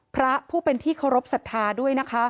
พระผู้เป็นที่เคารพสัทธาด้วยนะคะ